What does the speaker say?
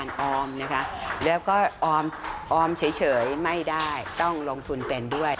ออมนะคะแล้วก็ออมเฉยไม่ได้ต้องลงทุนเป็นด้วย